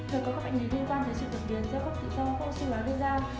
rồi có các bệnh lý liên quan tới sự tập biến do gốc tự do không siêu án gây ra